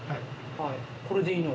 これでいいの？